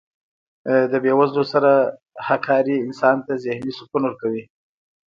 د بې وزلو سره هکاري انسان ته ذهني سکون ورکوي.